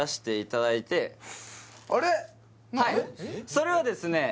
それはですね